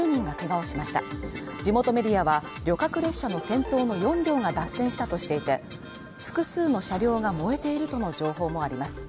地元メディアは、旅客列車の先頭の４両が脱線したとしていて、複数の車両が燃えているとの情報もあります。